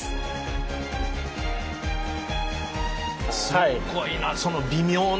すっごいなその微妙な位置で。